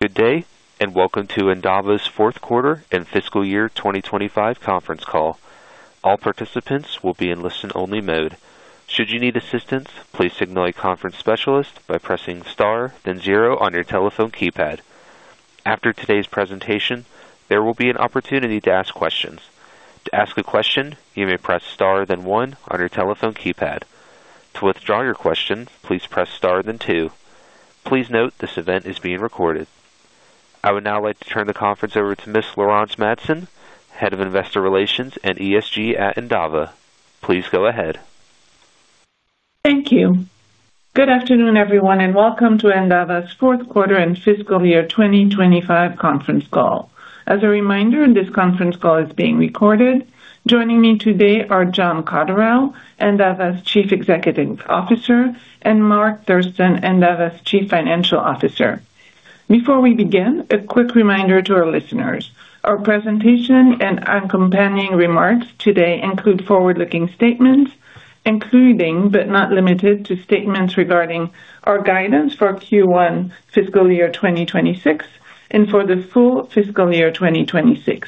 Good day, and welcome to Endava's Fourth Quarter and Fiscal Year twenty twenty five Conference Call. All participants will be in listen only mode. Please note this event is being recorded. I would now like to turn the conference over to Ms. Laurence Madsen, Head of Investor Relations and ESG at Endava. Please go ahead. Thank you. Good afternoon, everyone, and welcome to Endava's fourth quarter and fiscal year twenty twenty five conference call. As a reminder, this conference call is being recorded. Joining me today are John Cotterell, Endava's Chief Executive Officer and Mark Thurston, Endava's Chief Financial Officer. Before we begin, a quick reminder to our listeners. Our presentation and accompanying remarks today include forward looking statements, including, but not limited to, statements regarding our guidance for Q1 fiscal year twenty twenty six and for the full fiscal year 2026.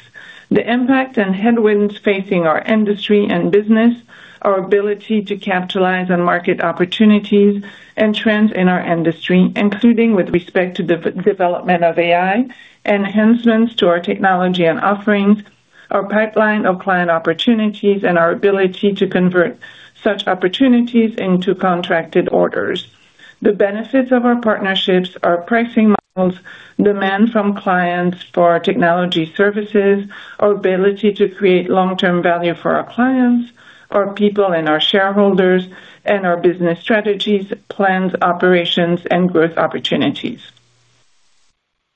The impact and headwinds facing our industry and business, our ability to capitalize on market opportunities and trends in our industry, including with respect to the development of AI, enhancements to our technology and offerings, our pipeline of client opportunities and our ability to convert such opportunities into contracted orders. The benefits of our partnerships, our pricing models, demand from clients for technology services, our ability to create long term value for our clients, our people and our shareholders and our business strategies, plans, operations and growth opportunities.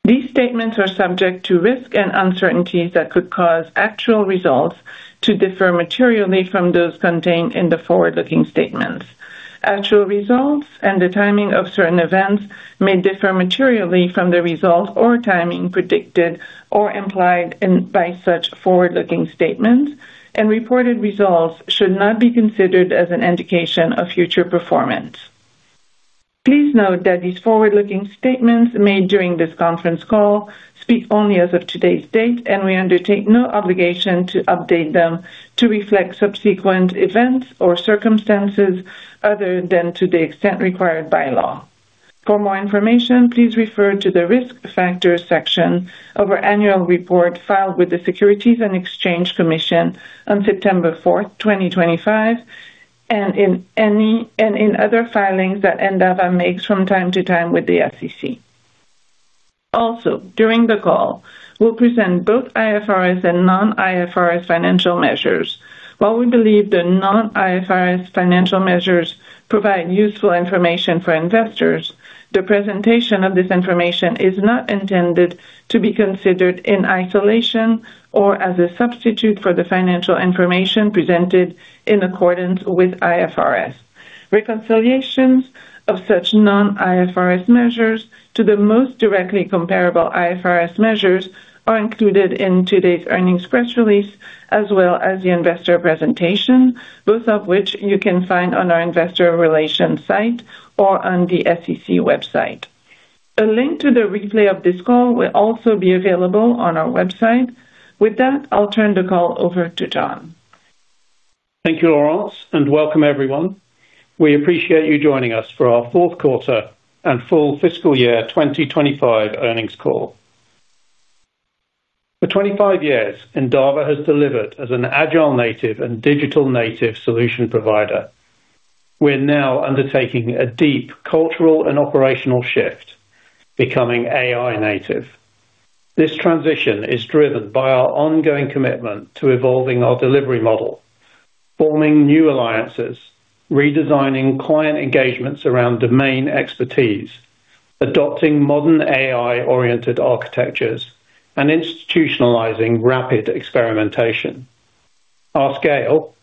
These statements are subject to risks and uncertainties that could cause actual results to differ materially from those contained in the forward looking statements. Actual results and the timing of certain events may differ materially from the results or timing predicted or implied by such forward looking statements, and reported results should not be considered as an indication of future performance. Please note that these forward looking statements made during this conference call speak only as of today's date, and we undertake no obligation to update them to reflect subsequent events or circumstances other than to the extent required by law. For more information, please refer to the Risk Factors section of our annual report filed with the Securities and Exchange Commission on 09/04/2025, and in and in other any filings that Endava makes from time to time with the SEC. Also during the call, we'll present both IFRS and non IFRS financial measures. While we believe the non IFRS financial measures provide useful information for investors, the presentation of this information is not intended to be considered in isolation or as a substitute for the financial information presented in accordance with IFRS. Reconciliations of such non IFRS measures to the most directly comparable IFRS measures are included in today's earnings press release as well as the investor presentation, both of which you can find on our Investor Relations site or on the SEC website. A link to the replay of this call will also be available on our website. With that, I'll turn the call over to John. Thank you, Laurence, and welcome, everyone. We appreciate you joining us for our fourth quarter and full fiscal year twenty twenty five earnings call. For twenty five years, Endava has delivered as an agile native and digital native solution provider. We're now undertaking a deep cultural and operational shift, becoming AI native. This transition is driven by our ongoing commitment to evolving our delivery model, forming new alliances, redesigning client engagements around domain expertise, adopting modern AI oriented architectures and institutionalizing rapid experimentation. Our scale,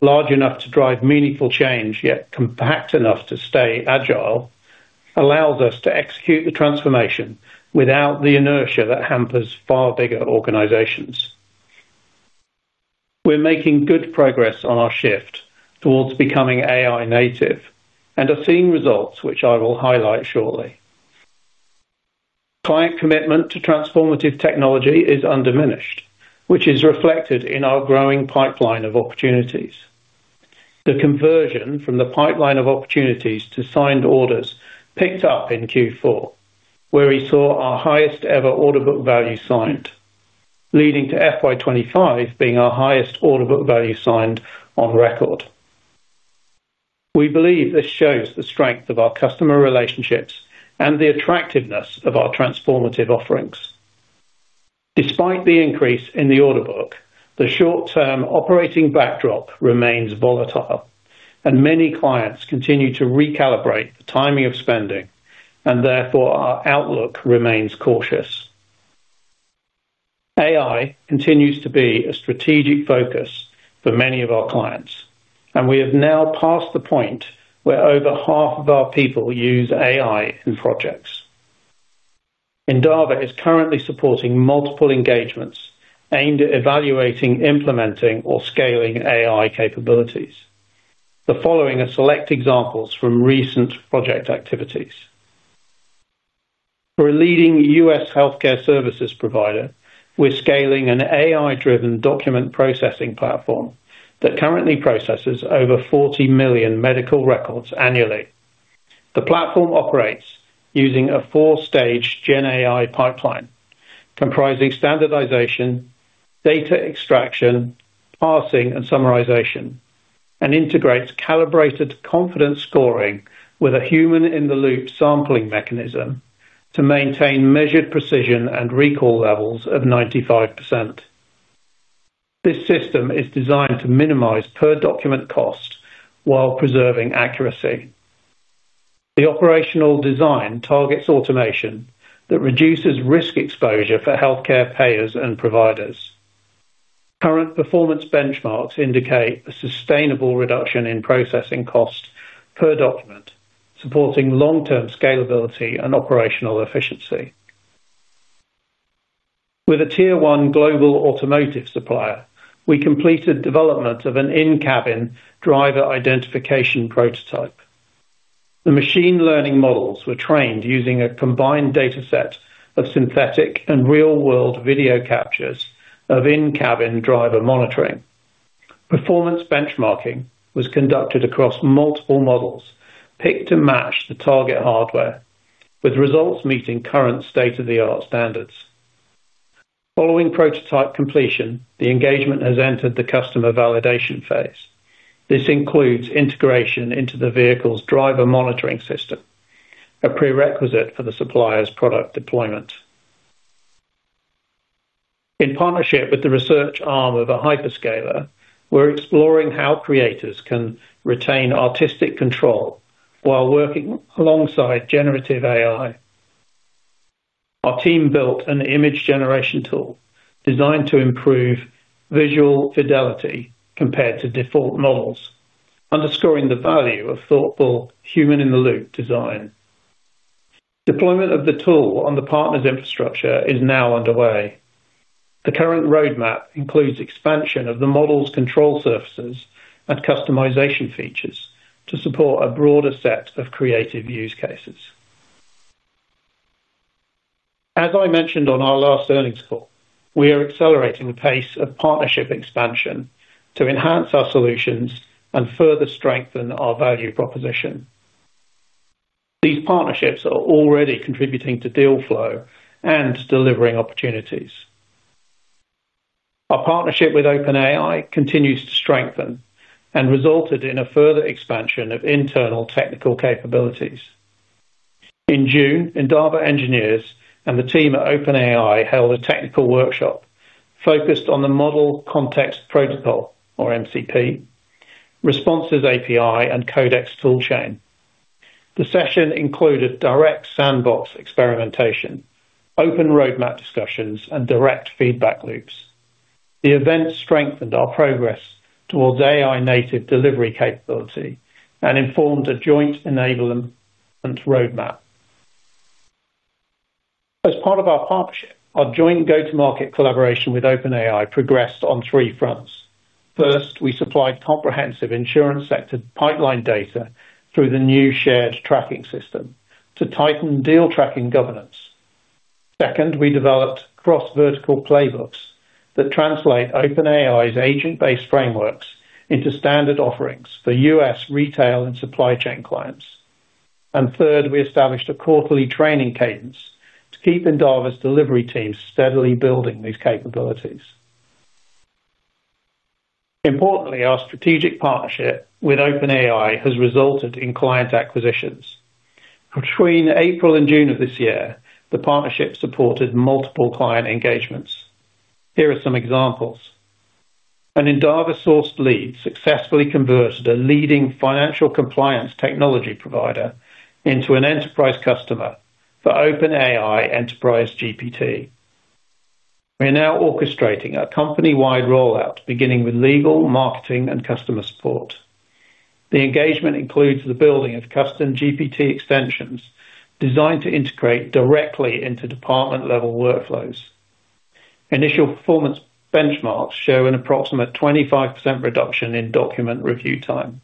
large enough to drive meaningful change yet compact enough to stay agile, allows us to execute the transformation without the inertia that hampers far bigger organizations. We're making good progress on our shift towards becoming AI native and are seeing results, which I will highlight shortly. Client commitment to transformative technology is undiminished, which is reflected in our growing pipeline of opportunities. The conversion from the pipeline of opportunities to signed orders picked up in Q4, where we saw our highest ever order book value signed, leading to FY 'twenty five being our highest order book value signed on record. We believe this shows the strength of our customer relationships and the attractiveness of our transformative offerings. Despite the increase in the order book, the short term operating backdrop remains volatile, and many clients continue to recalibrate the timing of spending, and therefore, our outlook remains cautious. AI continues to be a strategic focus for many of our clients, and we have now passed the point where over half of our people use AI in projects. Endava is currently supporting multiple engagements aimed at evaluating, implementing or scaling AI capabilities. The following are select examples from recent project activities. For a leading U. S. Health care services provider, we're scaling an AI driven document processing platform that currently processes over 40,000,000 medical records annually. The platform operates using a four stage GenAI pipeline, comprising standardization, data extraction, passing and summarization and integrates calibrated confidence scoring with a human in the loop sampling mechanism to maintain measured precision and recall levels of 95%. This system is designed to minimize per document cost while preserving accuracy. The operational design targets automation that reduces risk exposure for health care payers and providers. Current performance benchmarks indicate a sustainable reduction in processing cost per document, supporting long term scalability and operational efficiency. With a Tier one global automotive supplier, we completed development of an in cabin driver identification prototype. The machine learning models were trained using a combined data set of synthetic and real world video captures of in cabin driver monitoring. Performance benchmarking was conducted across multiple models, picked to match the target hardware with results meeting current state of the art standards. Following prototype completion, the engagement has entered the customer validation phase. This includes integration into the vehicle's driver monitoring system, a prerequisite for the supplier's product deployment. In partnership with the research arm of a hyperscaler, we're exploring how creators can retain artistic control while working alongside generative AI. Our team built an image generation tool designed to improve visual fidelity compared to default models, underscoring the value of thoughtful human in the loop design. Deployment of the tool on the partner's infrastructure is now underway. The current road map includes expansion of the model's control surfaces and customization features to support a broader set of creative use cases. As I mentioned on our last earnings call, we are accelerating the pace of partnership expansion to enhance our solutions and further strengthen our value proposition. These partnerships are already contributing to deal flow and delivering opportunities. Our partnership with OpenAI continues to strengthen and resulted in a further expansion of internal technical capabilities. In June, Endava engineers and the team at OpenAI held a technical workshop focused on the Model Context Protocol, or MCP, Responses API and Codex Tool Chain. The session included direct sandbox experimentation, open road map discussions and direct feedback loops. The event strengthened our progress towards AI native delivery capability and informed a joint enablement road map. As part of our partnership, our joint go to market collaboration with OpenAI progressed on three fronts. First, we supplied comprehensive insurance sector pipeline data through the new shared tracking system to tighten deal tracking governance. Second, we developed cross vertical playbooks that translate OpenAI's agent based frameworks into standard offerings for U. S. Retail and supply chain clients. And third, we established a quarterly training cadence keep Endava's delivery teams steadily building these capabilities. Importantly, our strategic partnership with OpenAI has resulted in client acquisitions. Between April and June, the partnership supported multiple client engagements. Here are some examples. An Endava sourced lead successfully converted a leading financial compliance technology provider into an enterprise customer for OpenAI enterprise GPT. We are now orchestrating a company wide rollout, beginning with legal, marketing and customer support. The engagement includes the building of custom GPT extensions designed to integrate directly into department level workflows. Initial performance benchmarks show an approximate 25% reduction in document review time.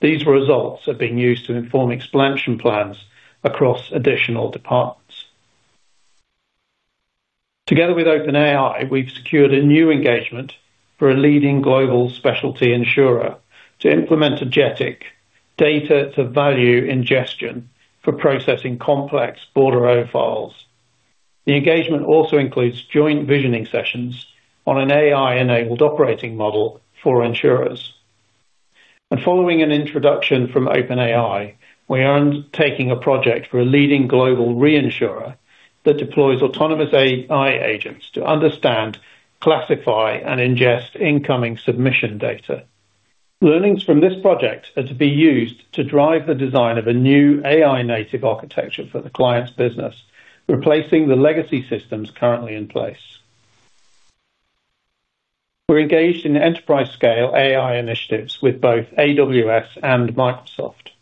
These results are being used to inform expansion plans across additional departments. Together with OpenAI, we've secured a new engagement for a leading global specialty insurer to implement a JETIC, data to value ingestion for processing complex border O files. The engagement also includes joint visioning sessions on an AI enabled operating model for insurers. And following an introduction from OpenAI, we are undertaking a project for a leading global reinsurer that deploys autonomous AI agents to understand, classify and ingest incoming submission data. Learnings from this project are to be used to drive the design of a new AI native architecture for the clients' business, replacing the legacy systems currently in place. We're engaged in enterprise scale AI initiatives with both AWS and Microsoft.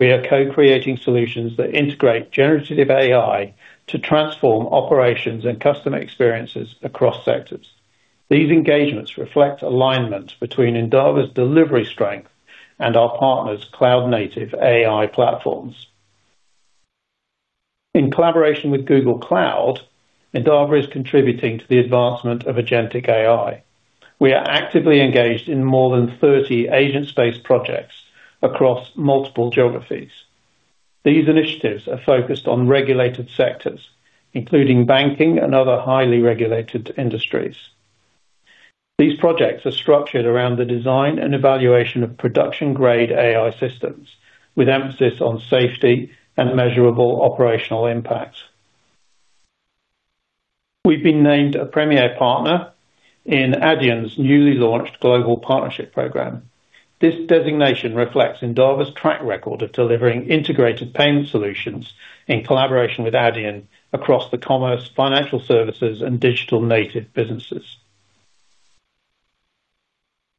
We are co creating solutions that integrate generative AI to transform operations and customer experiences across sectors. These engagements reflect alignment between Endava's delivery strength and our partners' cloud native AI platforms. In collaboration with Google Cloud, Endava is contributing to the advancement of agentik.ai. We are actively engaged in more than 30 agents based projects across multiple geographies. These initiatives are focused on regulated sectors, including banking and other highly regulated industries. These projects are structured around the design and evaluation of production grade AI systems with emphasis on safety and measurable operational impacts. We've been named a premier partner in Adyen's newly launched Global Partnership Program. This designation reflects Endava's track record of delivering integrated payment solutions in collaboration with Adyen across the commerce, financial services and digital native businesses.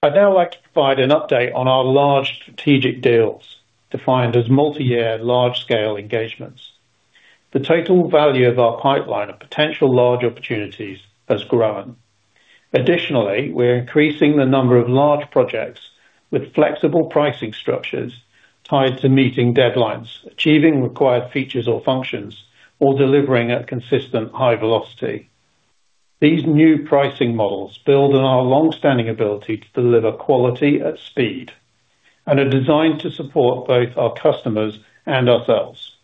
I'd now like to provide an update on our large strategic deals defined as multiyear large scale engagements. The total value of our pipeline of potential large opportunities has grown. Additionally, we're increasing the number of large projects with flexible pricing structures tied to meeting deadlines, achieving required features or functions or delivering at consistent high velocity. These new pricing models build on our long standing ability to deliver quality at speed and are designed to support both our customers and ourselves.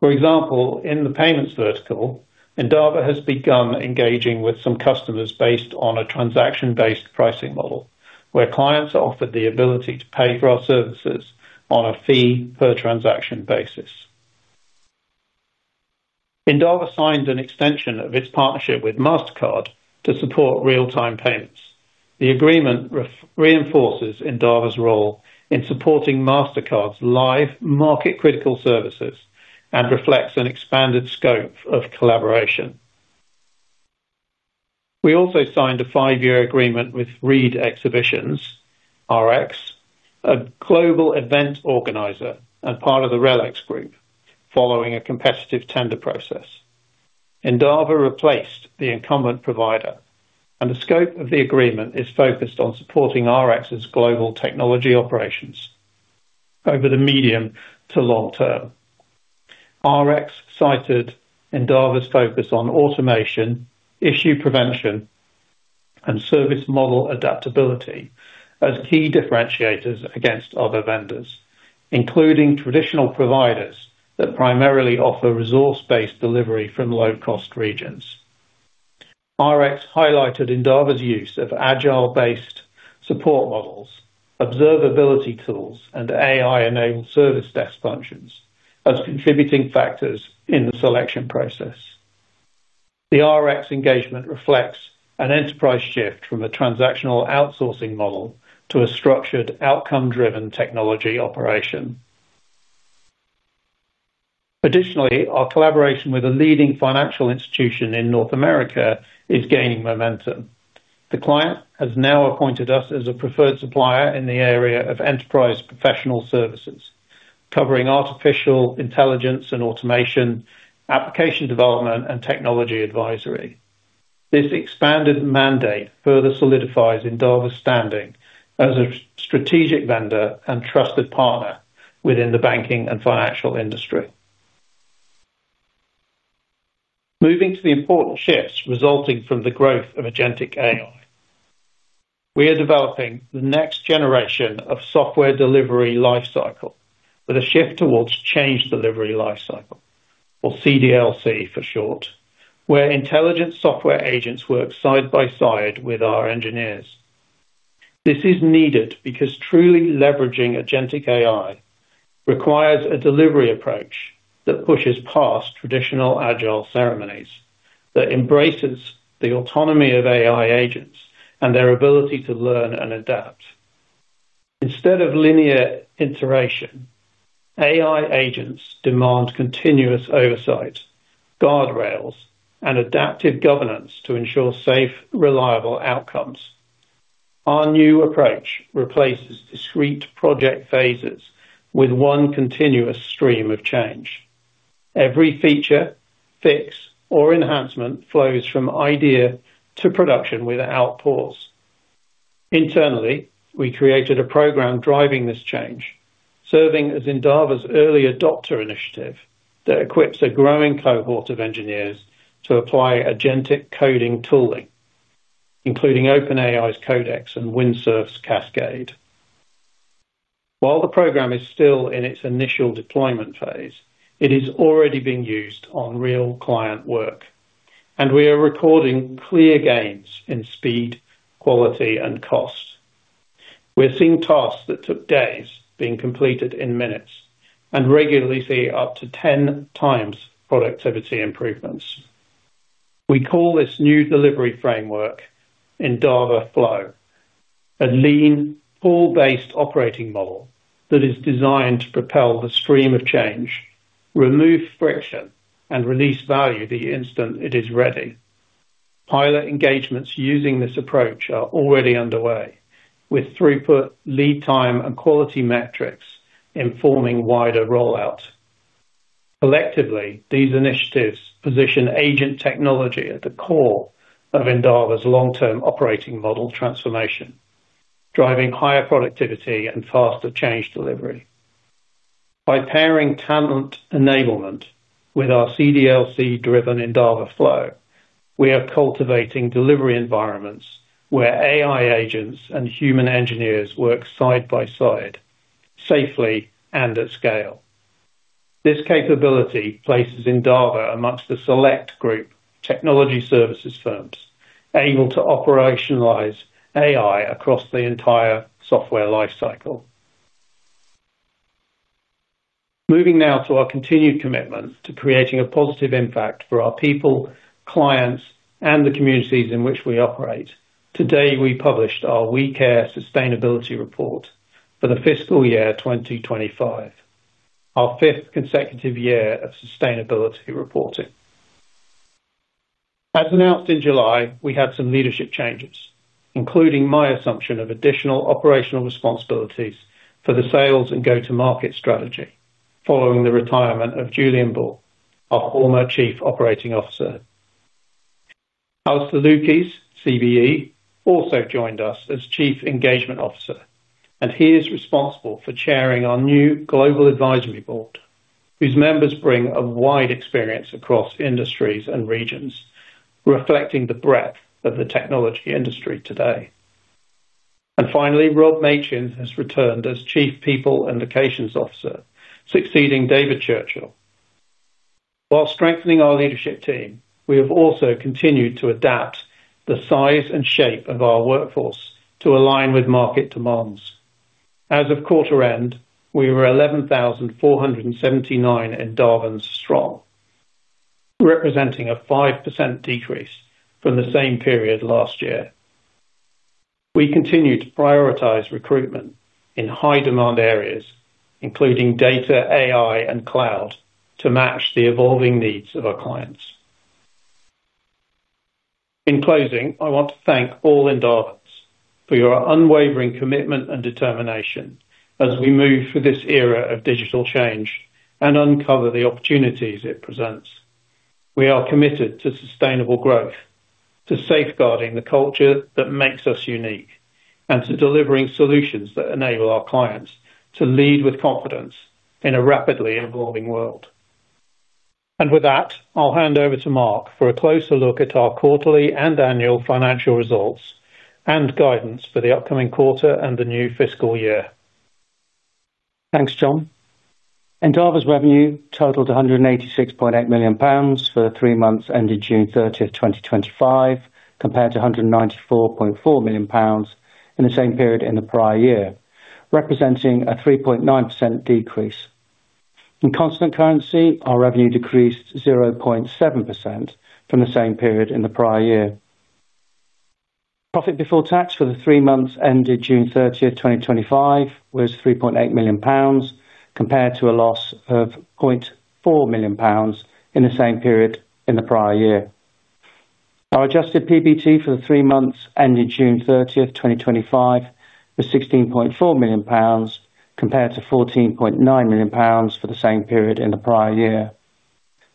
For example, in the payments vertical, Endava has begun engaging with some customers based on a transaction based pricing model, where clients are offered the ability to pay for our services on a fee per transaction basis. Endava signed an extension of its partnership with Mastercard to support real time payments. The agreement reinforces Endava's role in supporting Mastercard's live market critical services and reflects an expanded scope of collaboration. We also signed a five year agreement with Reed Exhibitions, RX, a global event organizer and part of the RELX Group, following a competitive tender process. Endava replaced the incumbent provider, and the scope of the agreement is focused on supporting Rx's global technology operations over the medium to long term. Rx cited Endava's focus on automation, issue prevention and service model adaptability as key differentiators against other vendors, including traditional providers that primarily offer resource based delivery from low cost regions. RX highlighted Endava's use of agile based support models, observability tools and AI enabled service desk functions as contributing factors in the selection process. The Rx engagement reflects an enterprise shift from a transactional outsourcing model to a structured outcome driven technology operation. Additionally, our collaboration with a leading financial institution in North America is gaining momentum. The client has now appointed us as a preferred supplier in the area of enterprise professional services, covering artificial intelligence and automation, application development and technology advisory. This expanded mandate further solidifies Endava's standing as a strategic vendor and trusted partner within the banking and financial industry. Moving to the important shifts resulting from the growth of Agentic AI. We are developing the next generation of software delivery life cycle with a shift towards change delivery life cycle, or CDLC for short, where intelligent software agents work side by side with our engineers. This is needed because truly leveraging AgenTik AI requires a delivery approach that pushes past traditional agile ceremonies that embraces the autonomy of AI agents and their ability to learn and adapt. Instead of linear iteration, AI agents demand continuous oversight, guardrails and adaptive governance to ensure safe, reliable outcomes. Our new approach replaces discrete project phases with one continuous stream of change. Every feature, fix or enhancement flows from idea to production without pause. Internally, we created a program driving this change, serving as Endava's early adopter initiative that equips a growing cohort of engineers to apply agentic coding tooling, including OpenAI's Codex and Windsurf's Cascade. While the program is still in its initial deployment phase, it is already being used on real client work, and we are recording clear gains in speed, quality and cost. We're seeing tasks that took days being completed in minutes and regularly see up to 10x productivity improvements. We call this new delivery framework Endava Flow, a lean, pool based operating model that is designed to propel the stream of change, remove friction and release value the instant it is ready. Pilot engagements using this approach are already underway with throughput, lead time and quality metrics informing wider rollout. Collectively, these initiatives position agent technology at the core of Endava's long term operating model transformation, driving higher productivity and faster change delivery. By pairing talent enablement with our CDLC driven Endava flow, we are cultivating delivery environments where AI agents and human engineers work side by side, safely and at scale. This capability places Endava amongst a select group technology services firms, able to operationalize AI across the entire software life cycle. Moving now to our continued commitment to creating a positive impact for our people, clients and the communities in which we operate. Today, we published our We Care Sustainability Report for the fiscal year twenty twenty five, our fifth consecutive year of sustainability reporting. As announced in July, we had some leadership changes, including my assumption of additional operational responsibilities for the sales and go to market strategy following the retirement of Julian Ball, our former Chief Operating Officer. Alastair Lueckes, CBE, also joined as Chief Engagement Officer, and he is responsible for chairing our new Global Advisory Board, whose members bring a wide experience across industries and regions, reflecting the breadth of the technology industry today. And finally, Rob Machin has returned as Chief People and Vacations Officer, succeeding David Churchill. While strengthening our leadership team, we have also continued to adapt the size and shape of our workforce to align with market demands. As of quarter end, we were 11,479 in Darwin's strong, representing a 5% decrease from the same period last year. We continue to prioritize recruitment in high demand areas, including data, AI and cloud to match the evolving needs of our clients. In closing, I want to thank all Endavance for your unwavering commitment and determination as we move through this era of digital change and uncover the opportunities it presents. We are committed to sustainable growth, to safeguarding the culture that makes us unique and to delivering solutions that enable our clients to lead with confidence in a rapidly evolving world. And with that, I'll hand over to Mark for a closer look at our quarterly and annual financial results and guidance for the upcoming quarter and the new fiscal year. Thanks, John. Endava's revenue totaled £186,800,000 for the three months ended 06/30/2025, compared to £194,400,000 in the same period in the prior year, representing a 3.9% decrease. In constant currency, our revenue decreased 0.7% from the same period in the prior year. Profit before tax for the three months ended 06/30/2025, was £3,800,000 compared to a loss of £400,000 in the same period in the prior year. Our adjusted PBT for the three months ended 06/30/2025, was £16,400,000 compared to £14,900,000 for the same period in the prior year.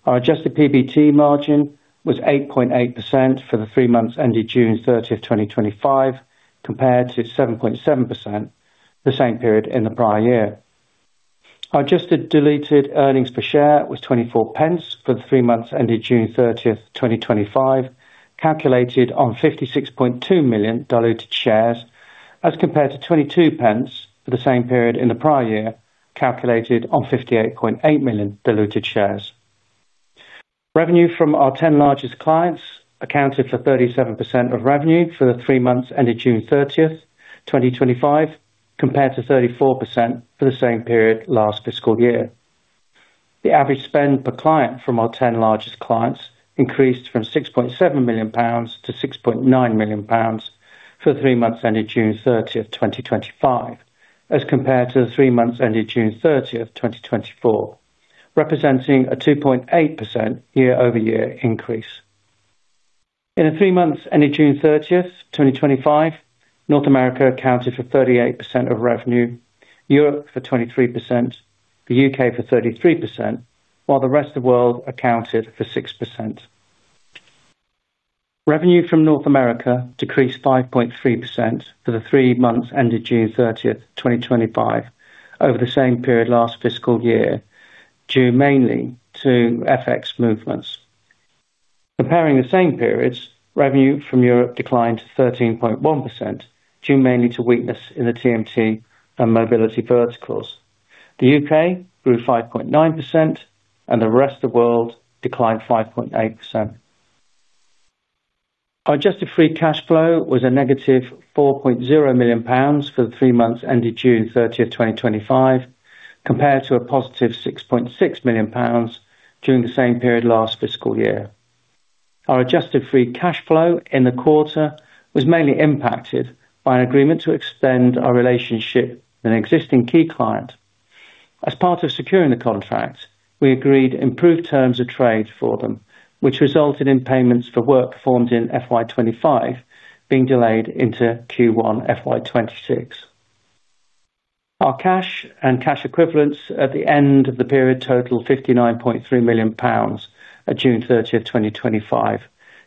Our adjusted PBT margin was 8.8% for the three months ended 06/30/2025, compared to 7.7% the same period in the prior year. Our adjusted diluted earnings per share was 24p for the three months ended 06/30/2025, calculated on 56,200,000.0 diluted shares as compared to 22p for the same period in the prior year calculated on 58,800,000.0 diluted shares. Revenue from our 10 largest clients accounted for 37% of revenue for the three months ended 06/30/2025, compared to 34% for the same period last fiscal year. The average spend per client from our 10 largest clients increased from £6,700,000 to £6,900,000 for the three months ended 06/30/2025, as compared to the three months ended 06/30/2024, representing a 2.8% year over year increase. In the three months ended 06/30/2025, North America accounted for 38% of revenue, Europe for 23%, The U. K. For 33%, while the rest of world accounted for 6%. Revenue from North America decreased 5.3% for the three months ended 06/30/2025, over the same period last fiscal year due mainly to FX movements. Comparing the same periods, revenue from Europe declined 13.1 due mainly to weakness in the TMT and mobility verticals. The U. K. Grew 5.9%, and the rest of world declined 5.8%. Our adjusted free cash flow was a negative £4,000,000 for the three months ended 06/30/2025, compared to a positive £6,600,000 during the same period last fiscal year. Our adjusted free cash flow in the quarter was mainly impacted by an agreement to extend our relationship with an existing key client. As part of securing the contract, we agreed improved terms of trade for them, which resulted in payments for work performed in FY 2025 being delayed into Q1 FY twenty twenty six. Our cash and cash equivalents at the end of the period totaled £59,300,000 at 06/30/2025,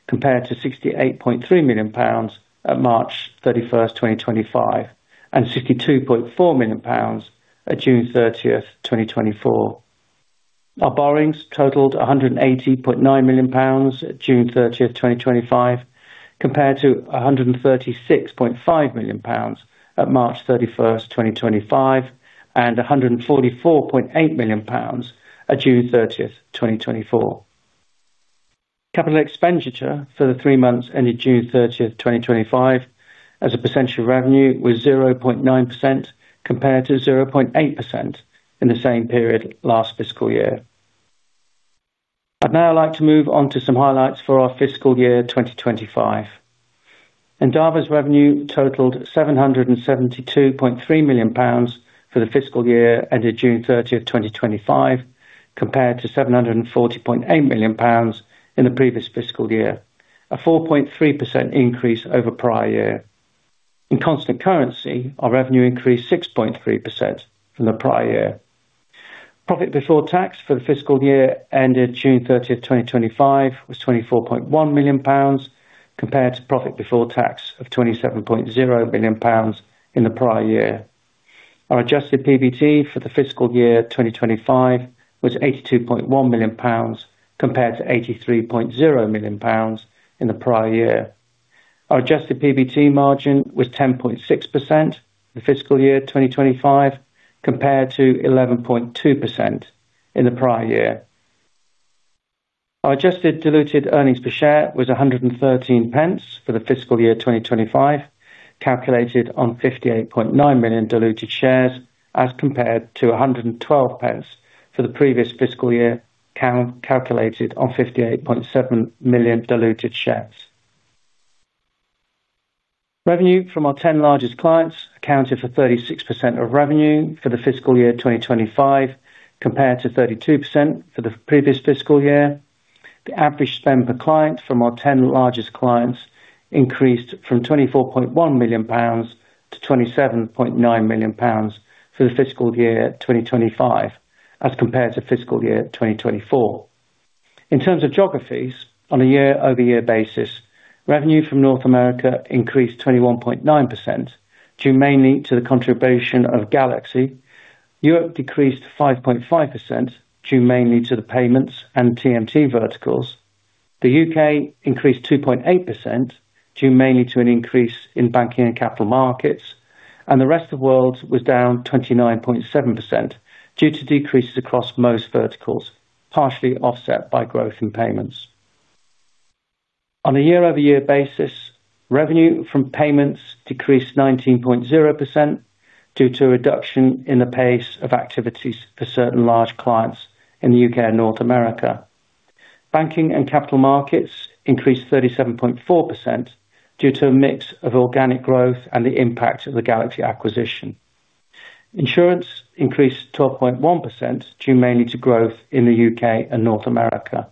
compared to £68,300,000 at 03/31/2025, and £62,400,000 at 06/30/2024. Our borrowings totaled £180,900,000 at 06/30/2025 compared to £136,500,000 at 03/31/2025 and £144,800,000 at 06/30/2024. Capital expenditure for the three months ended 06/30/2025, as a percentage of revenue was 0.9% compared to 0.8% in the same period last fiscal year. I'd now like to move on to some highlights for our fiscal year 2025. Endava's revenue totaled £772,300,000 for the fiscal year ended 06/30/2025, compared to £740,800,000 in the previous fiscal year, a 4.3% increase over prior year. In constant currency, our revenue increased 6.3% from the prior year. Profit before tax for the fiscal year ended 06/30/2025, was £24,100,000 compared to profit before tax of £27,000,000 in the prior year. Our adjusted PBT for the fiscal year 2025 was £82,100,000 compared to £83,000,000 in the prior year. Our adjusted PBT margin was 10.6% for fiscal year 2025 compared to 11.2% in the prior year. Our adjusted diluted earnings per share was 1.13p for the fiscal year 2025, calculated on 58,900,000 diluted shares as compared to 1.12p for the previous fiscal year calculated on 58,700,000.0 diluted shares. Revenue from our 10 largest clients accounted for 36% of revenue for the fiscal year 2025 compared to 32% for the previous fiscal year. The average spend per client from our 10 largest clients increased from £24,100,000 to £27,900,000 for the fiscal year 2025 as compared to fiscal year twenty twenty four. In terms of geographies, on a year over year basis, revenue from North America increased 21.9% due mainly to the contribution of Galaxy. Europe decreased 5.5% due mainly to the payments and TMT verticals. The UK increased 2.8% due mainly to an increase in banking and capital markets. And the rest of world was down 29.7% due to decreases across most verticals, partially offset by growth in payments. On a year over year basis, revenue from payments decreased 19% due to a reduction in the pace of activities for certain large clients in The U. K. And North America. Banking and Capital Markets increased 37.4% due to a mix of organic growth and the impact of the Galaxy acquisition. Insurance increased 12.1% due mainly to growth in The U. K. And North America.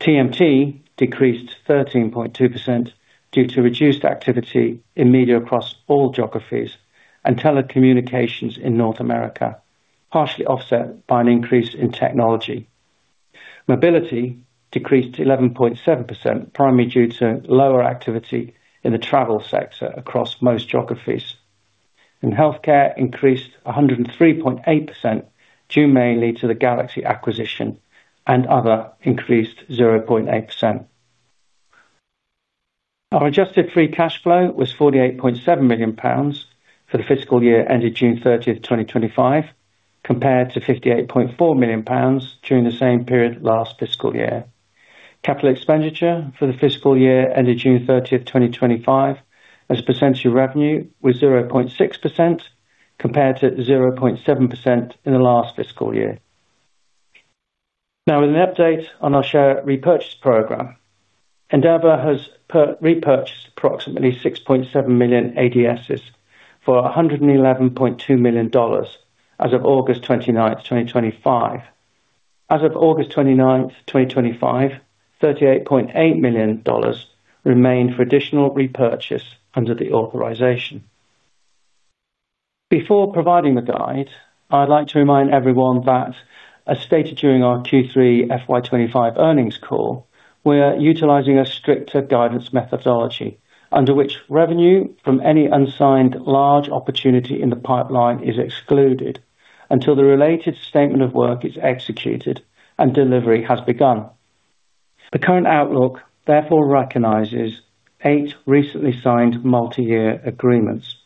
TMT decreased 13.2% due to reduced activity in media across all geographies and telecommunications in North America, partially offset by an increase in technology. Mobility decreased 11.7%, primarily due to lower activity in the travel sector across most geographies. And health care increased 103.8 due mainly to the Galaxy acquisition and other increased 0.8%. Our adjusted free cash flow was £48,700,000 for the fiscal year ended 06/30/2025, compared to £58,400,000 during the same period last fiscal year. Capital expenditure for the fiscal year ended 06/30/2025, as a percentage of revenue was 0.6% compared to 0.7% in the last fiscal year. Now with an update on our share repurchase program. Endeavor has repurchased approximately 6,700,000.0 ADSs for $111,200,000 as of 08/29/2025. As of 08/29/2025, dollars 38,800,000.0 remained for additional repurchase under the authorization. Before providing the guide, I'd like to remind everyone that, as stated during our Q3 FY twenty twenty five earnings call, we are utilizing a stricter guidance methodology, under which revenue from any unsigned large opportunity in the pipeline is excluded until the related statement of work is executed and delivery has begun. The current outlook, therefore, recognizes eight recently signed multiyear agreements.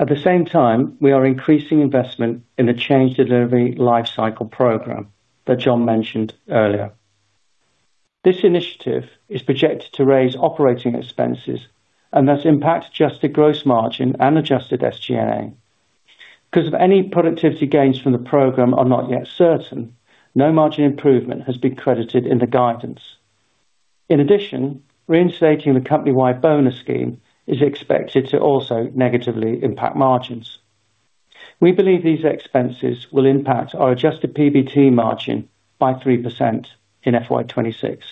At the same time, we are increasing investment in the change delivery life cycle program that John mentioned earlier. This initiative is projected to raise operating expenses and thus impact adjusted gross margin and adjusted SG and A. Because of any productivity gains from the program are not yet certain, no margin improvement has been credited in the guidance. In addition, reinstating the company wide bonus scheme is expected to also negatively impact margins. We believe these expenses will impact our adjusted PBT margin by 3% in FY 2026.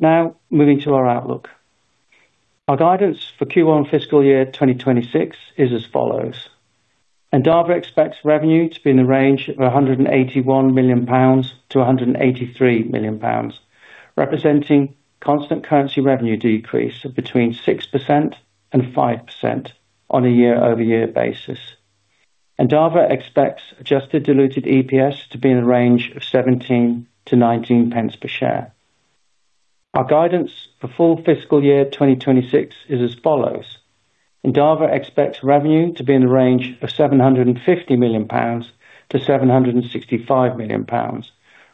Now moving to our outlook. Our guidance for Q1 fiscal year twenty twenty six is as follows: Endava expects revenue to be in the range of £181,000,000 to £183,000,000 representing constant currency revenue decrease of between six percent and five percent on a year over year basis. Endava expects adjusted diluted EPS to be in the range of $17 to $0.19 per share. Our guidance for full fiscal year 2026 is as follows: Endava expects revenue to be in the range of £750,000,000 to £765,000,000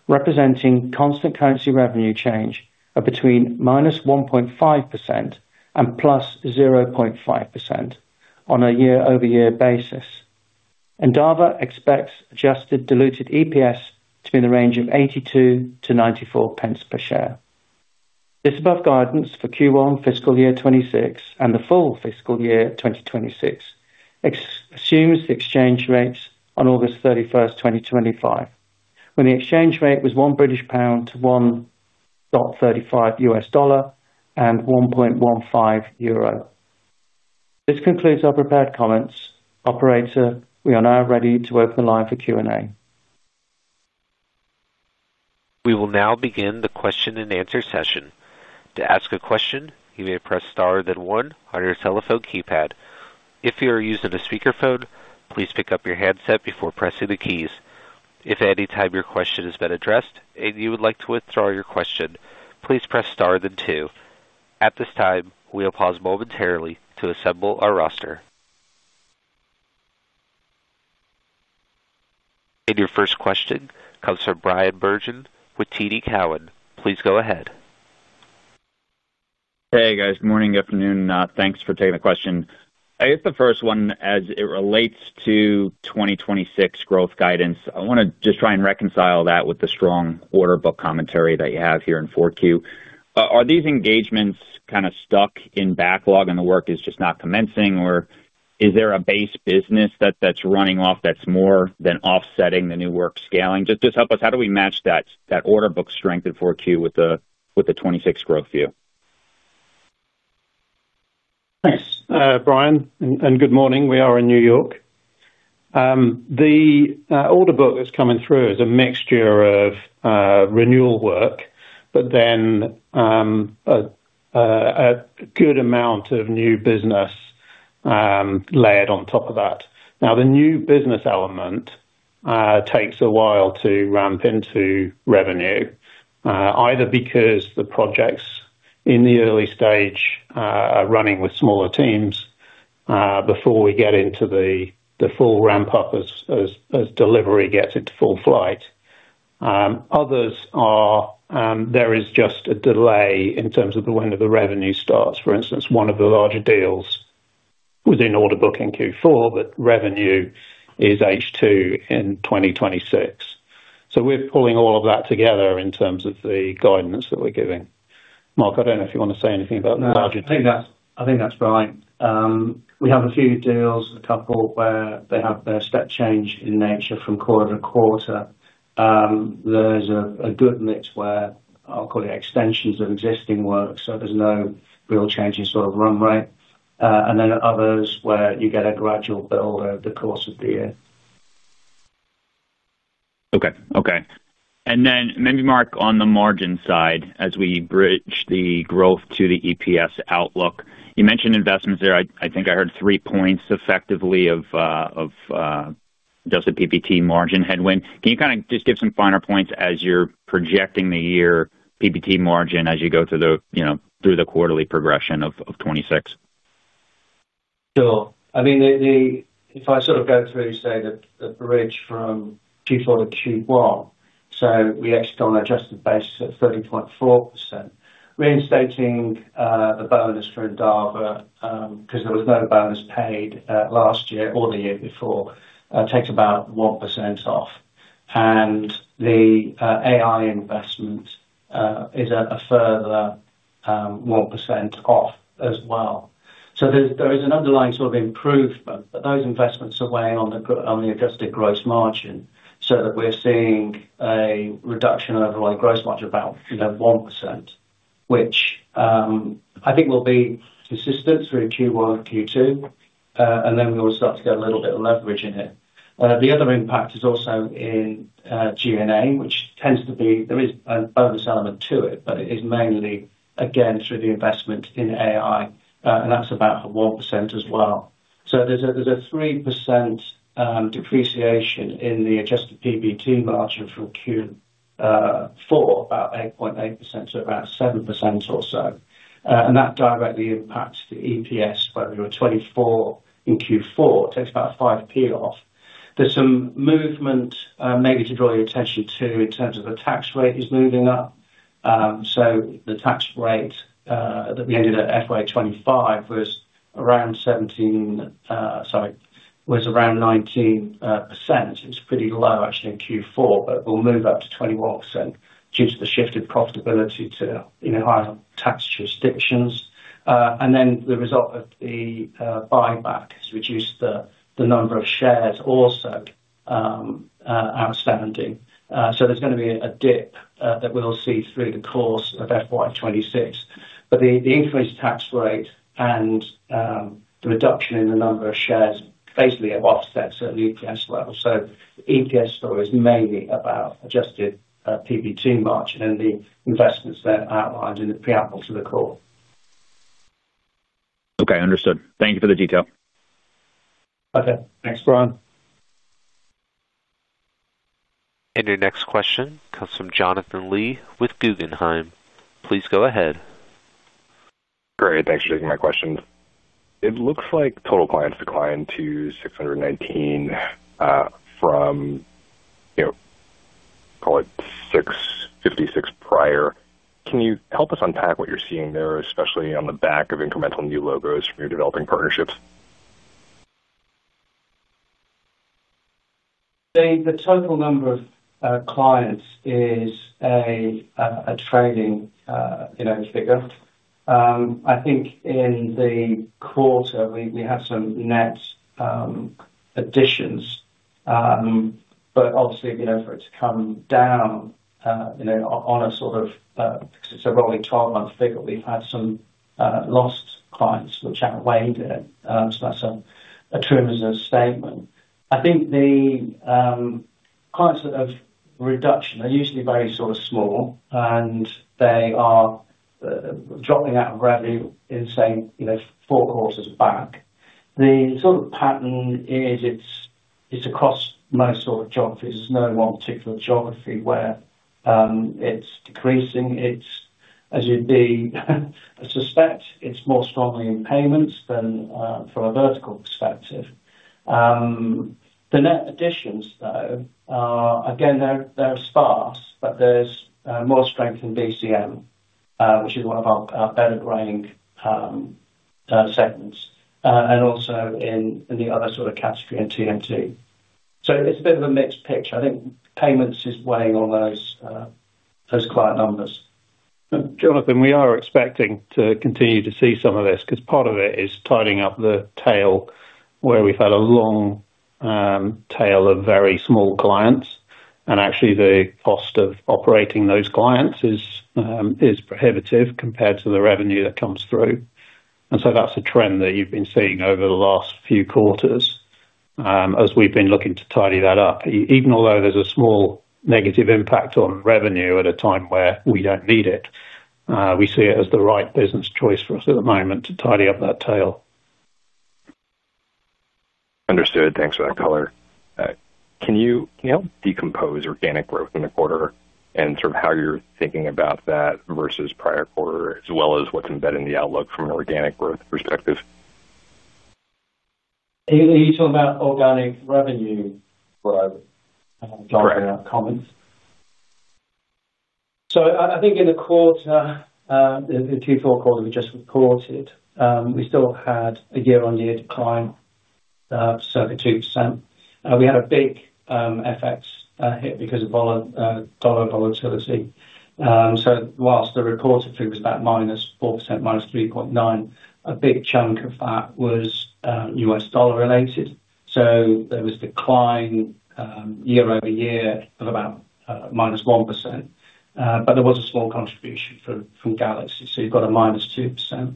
representing constant currency revenue change of between minus 1.5% and plus 0.5% on a year over year basis. Endava expects adjusted diluted EPS to be in the range of £0.82 to £0.94 per share. This above guidance for Q1 fiscal year twenty twenty six and the full fiscal year 2026 assumes exchange rates on 08/31/2025, when the exchange rate was 1 British pound to 1.35 US dollar and €1.15 This concludes our prepared comments. Operator, we are now ready to open the line for Q and A. We will now begin the question and answer session. And your first question comes from Brian Bergin with TD Cowen. Please go ahead. Hey, guys. Good morning, good afternoon. Thanks for taking the question. I guess the first one as it relates to 2026 growth guidance, I want to just try and reconcile that with the strong order book commentary that you have here in 4Q. Are these engagements kind of stuck in backlog and the work is just not commencing? Or is there a base business that's running off that's more than offsetting the new work scaling? Just help us how do we match that order book strength in 4Q with the 26% growth view? Thanks, Brian, and good morning. We are in New York. The order book that's coming through is a mixture of renewal work, but then a good amount of new business layered on top of that. Now the new business element takes a while to ramp into revenue, either because the projects in the early stage are running with smaller teams before we get into the full ramp up as delivery gets into full flight. Others are there is just a delay in terms of the when the revenue starts. For instance, one of the larger deals was in order book in Q4, but revenue is H2 in 2026. So we're pulling all of that together in terms of the guidance that we're giving. Mark, I don't know if you want to say anything about the No. Think right. We have a few deals, a couple where they have their step change in nature from quarter to quarter. There's a good mix where, I'll call it, extensions of existing work. So there's no real change in sort of run rate. And then others where you get a gradual build over the course of the year. Okay. Okay. And then maybe, Mark, on the margin side, as we bridge the growth to the EPS outlook. You mentioned investments there. I think I heard three points effectively of just the PPT margin headwind. Can you kind of just give some finer points as you're projecting the year PPT margin as you go through the quarterly progression of 26%? Sure. I mean, the if I sort of go through, say, the bridge from Q4 to Q1, so we actually go on an adjusted basis of 30.4%. Reinstating the bonus for Endava because there was no bonus paid last year or the year before takes about 1% off. And the AI investment is a further 1% off as well. So there is an underlying sort of improvement, but those investments are weighing on the adjusted gross margin so that we're seeing a reduction in overall gross margin about 1%, which I think will be consistent through Q1 and Q2. And then we will start to get a little bit of leverage in it. The other impact is also in G and A, which tends to be there is an bonus element to it, but it is mainly, again, through the investment in AI, and that's about 1% as well. So there's 3% depreciation in the adjusted PBT margin from Q4, about 8.8%, so about 7% or so. And that directly impacts the EPS by £24,000,000 in Q4, takes about 5p off. There's some movement maybe to draw your attention to in terms of the tax rate is moving up. So the tax rate that we ended at FY 2025 was around 17 sorry, was around 19%. It's pretty low actually in Q4, but will move up to 21% due to the shift in profitability to higher tax jurisdictions. And then the result of the buyback has reduced the number of shares also out 70. So there's going to be a dip that we'll see through the course of FY 'twenty six. But the increased tax rate and the reduction in the number of shares basically have offset certainly EPS level. So EPS story is mainly about adjusted PB2 margin and the investments that I outlined in the pre apples to the call. And your next question comes from Jonathan Lee with Guggenheim. Please go ahead. Great. Thanks for taking my question. It looks like total clients declined to six nineteen from, call it, 56 prior. Can you help us unpack what you're seeing there, especially on the back of incremental new logos from your developing partnerships? The total number of clients is a trading figure. I think in the quarter, we had some net additions. But obviously, for it to come down on a sort of it's a rolling twelve month figure, we've had some lost clients, which outweighed it. So that's a tremendous statement. I think the clients that have reduction are usually very sort of small, and they are dropping out of revenue in, say, four quarters back. The sort of pattern is it's across most sort of geographies. There's no one particular geography where it's decreasing. It's as you'd be suspect, it's more strongly in payments than from a vertical perspective. The net additions, though, again, they're sparse, but there's more strength in DCM, which is one of our better growing segments and also in the other sort of category in TMT. So it's a bit of a mixed picture. I think payments is weighing on client numbers. Jonathan, we are expecting to continue to see some of this because part of it is tidying up the tail where we've had a long tail of very small clients. And actually, the cost of operating those clients is prohibitive compared to the revenue that comes through. And so that's a trend that you've been seeing over the last few quarters as we've been looking to tidy that up, even although there's a small negative impact on revenue at a time where we don't need it, we see it as the right business choice for us at the moment to tidy up that tail. Understood. Thanks for that color. Can you help decompose organic growth in the quarter and sort of how you're thinking about that versus prior quarter as well as what's embedded in the outlook from an organic growth perspective? Hailey, you talked about organic revenue growth. Don't So know you have I think in the quarter, the Q4 quarter we just reported, we still had a year on year decline of circa 2%. We had a big FX hit because of dollar volatility. So whilst the reported figure was about minus 4%, minus 3.9%, a big chunk of that was U. S. Dollar related. So there was decline year over year of about minus 1%, but there was a small contribution from Galaxy. So you've got a minus 2%.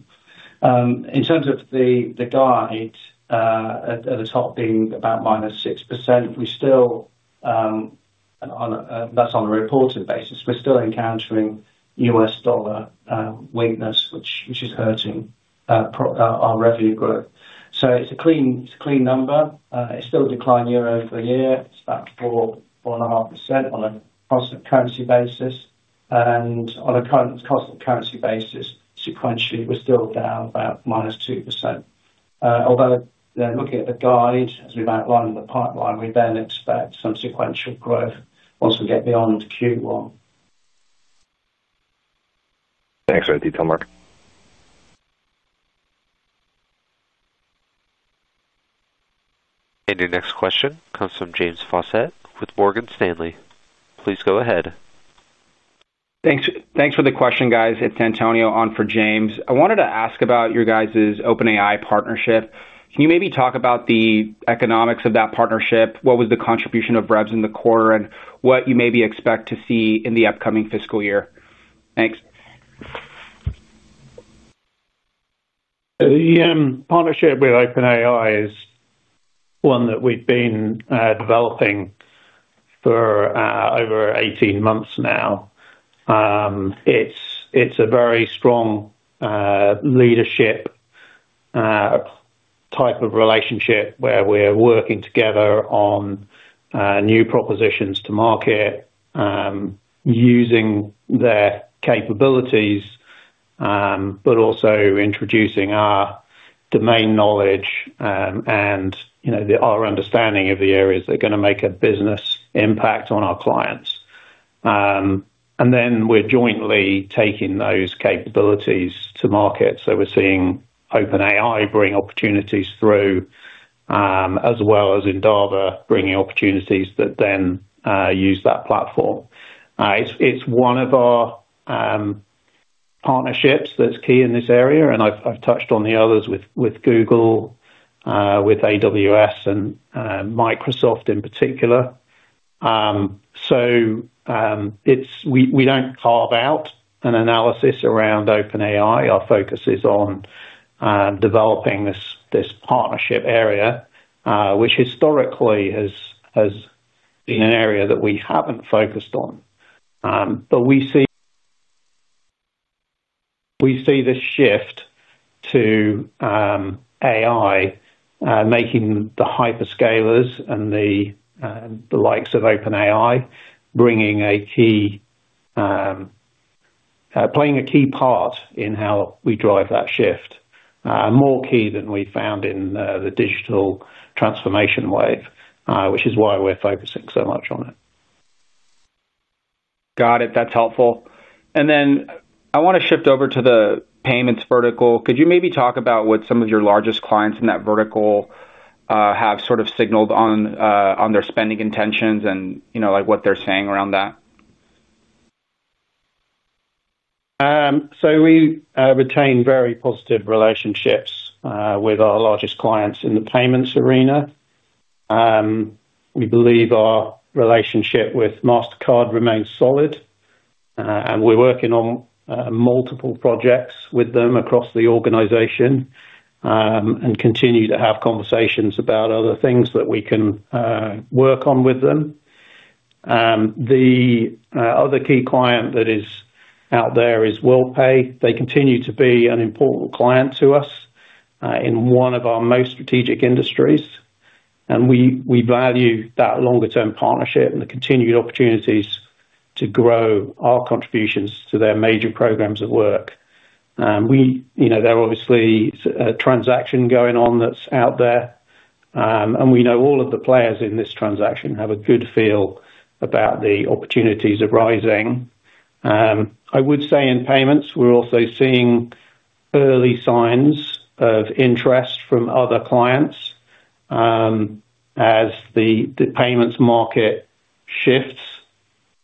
In terms of the guide, at the top being about minus 6%, we still that's on a reported basis. We're still encountering U. S. Dollar weakness, which is hurting our revenue growth. So it's a clean number. It's still declined year over year. It's about 4%, 4.5% on a constant currency basis. And on a constant currency basis, sequentially, we're still down about minus 2%. Although looking at the guide, as we've outlined in the pipeline, we then expect some sequential growth once we get beyond Q1. Thanks for the detail, Mark. And your next question comes from James Faucette with Morgan Stanley. Please go ahead. Thanks for the question guys. It's Antonio on for James. I wanted to ask about your guys' OpenAI partnership. Can you maybe talk about the economics of that partnership? What was the contribution of revs in the quarter? And what you maybe expect to see in the upcoming fiscal year? Thanks. The partnership with OpenAI is one that we've been developing for over eighteen months now. It's a very strong leadership type of relationship where we are working together on new propositions to market using their capabilities, but also introducing our domain knowledge and our understanding of the areas that are going to make a business impact on our clients. And then we're jointly taking those capabilities to market. So we're seeing OpenAI bring opportunities through as well as Endava bringing opportunities that then use that platform. It's one of our partnerships that's key in this area, and I've touched on the others with Google, with AWS and Microsoft, in particular. So it's we don't carve out an analysis around OpenAI. Our focus is on developing this partnership area, which historically has been an area that we haven't focused on. But we see the shift to AI making the hyperscalers and the likes of OpenAI, bringing a key playing a key part in how we drive that shift, more key than we found in the digital transformation wave, which is why we're focusing so much on it. Got it. That's helpful. And then I want to shift over to the payments vertical. Could you maybe talk about what some of your largest clients in that vertical have sort of signaled on their spending intentions and like what they're saying around that? So we retain very positive relationships with our largest clients in the payments arena. We believe our relationship with Mastercard remains solid. And we're working on multiple projects with them across the organization and continue to have conversations about other things that we can work on with them. The other key client that is out there is Wellpay. They continue to be an important client to us in one of our most strategic industries. And we value that longer term partnership and the continued opportunities to grow our contributions to their major programs at work. We there obviously is a transaction going on that's out there. And we know all of the players in this transaction have a good feel about the opportunities arising. I would say in payments, we're also seeing early signs of interest from other clients as the payments market shifts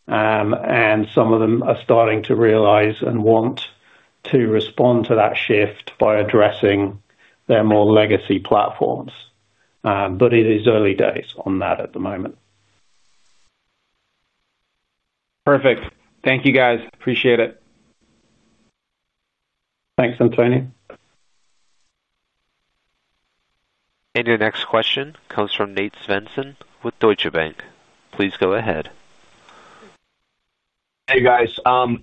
and some of them are starting to realize and want to respond to that shift by addressing their more legacy platforms. But it is early days on that at the moment. Perfect. Thank you, guys. Appreciate it. Thanks, Antonio. And your next question comes from Nate Svensson with Deutsche Bank. Please go ahead. Hey, guys.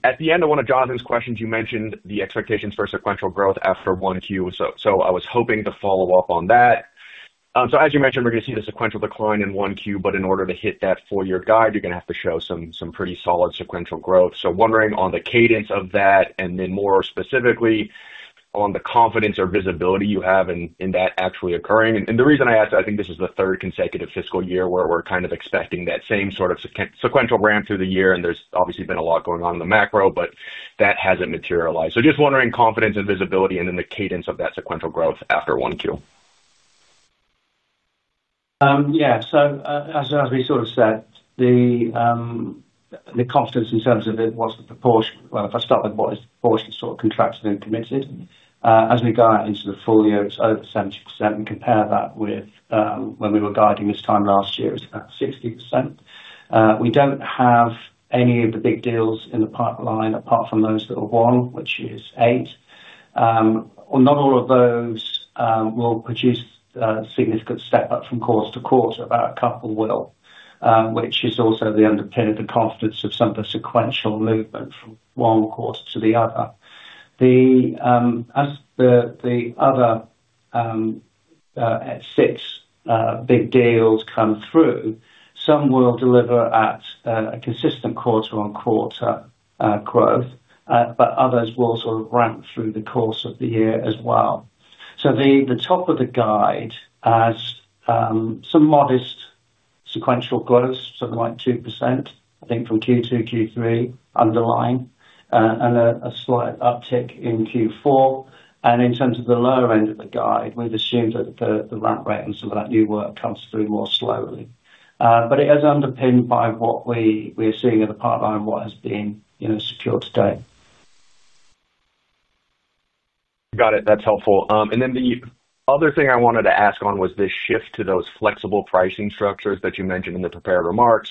At the end of one of Jonathan's questions, you mentioned the expectations for sequential growth after 1Q. So I was hoping to follow-up on that. So as you mentioned, we're going to see the sequential decline in 1Q. But in order to hit that full year guide, you're to have to show some pretty solid sequential growth. So wondering on the cadence of that and then more specifically on the confidence or visibility you have in that actually occurring? And the reason I asked, I think this is the third consecutive fiscal year where we're kind of expecting that same sort of sequential ramp through the year, and there's obviously been a lot going on in the macro, but that hasn't materialized. So just wondering confidence and visibility and then the cadence of that sequential growth after 1Q. Yes. So as we sort of said, the confidence in terms of it was the proportion well, I start with what is the proportion sort of contracted and committed. As we go out into the full year, it's over 70%. And compare that with when we were guiding this time last year, it's about 60%. We don't have any of the big deals in the pipeline apart from those that are won, which is 8%. Not all of those will produce significant step up from quarter to quarter, about a couple will, which is also the underpin of the confidence of some of the sequential movement from one quarter to the other. The as the other six big deals come through, some will deliver at a consistent quarter on quarter growth, but others will sort of ramp through the course of the year as well. So the top of the guide has some modest sequential growth, something like 2%, I think, from Q2, Q3 underlying and a slight uptick in Q4. And in terms of the lower end of the guide, we've assumed that the ramp rate and some of that new work comes through more slowly. But it is underpinned by what we are seeing in the pipeline and what has been secured today. Got it. That's helpful. And then the other thing I wanted to ask on was the shift to those flexible pricing structures that you mentioned in the prepared remarks.